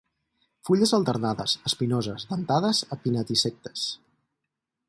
Fulles alternades, espinoses, dentades a pinnatisectes.